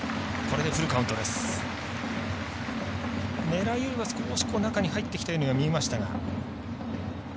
狙いよりは少し中に入ってきたようには見えましたが。